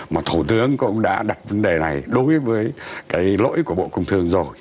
mà thủ tướng cũng đã đặt vấn đề này đối với cái lỗi của bộ công thương rồi